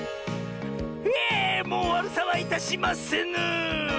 ひえもうわるさはいたしませぬ！